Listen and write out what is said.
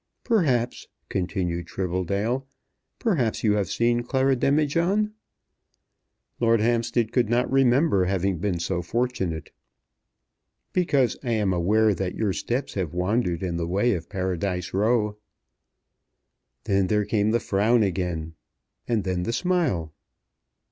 "Perhaps," continued Tribbledale, "perhaps you have seen Clara Demijohn." Lord Hampstead could not remember having been so fortunate. "Because I am aware that your steps have wandered in the way of Paradise Row." Then there came the frown again, and then the smile.